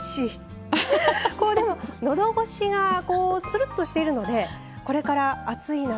こうでも喉越しがするっとしているのでこれから暑い夏